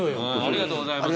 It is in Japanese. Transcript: ありがとうございます。